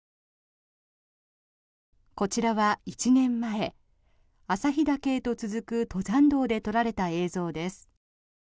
こちらは１年前、朝日岳へと続く登山道で撮られた映像です。